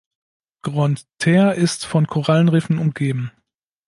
Grande-Terre ist von Korallenriffen umgeben.